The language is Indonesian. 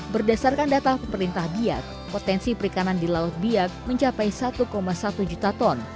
berdasarkan data pemerintah biak potensi perikanan di laut biak mencapai satu satu juta ton